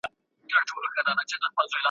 هغه ښارته چي په خوب کي دي لیدلی `